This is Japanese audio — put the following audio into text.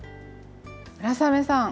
村雨さん。